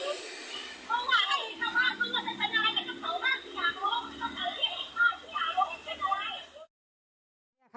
โทษค่ะ